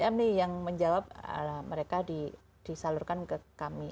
kementerian sdm nih yang menjawab mereka disalurkan ke kami